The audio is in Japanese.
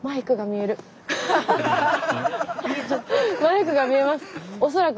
マイクが見えます！